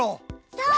そう。